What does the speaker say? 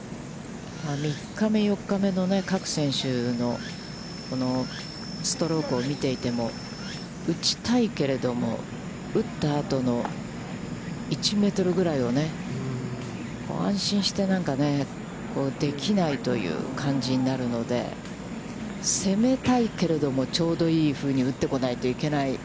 ３日目、４日目の各選手のストロークを見ていても、打ちたいけれども、打ったあとの１メートルぐらいをね、安心してできないという感じになるので、攻めたいけれども、ちょうどいいふうに打ってこないといけない。